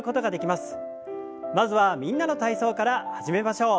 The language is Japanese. まずは「みんなの体操」から始めましょう。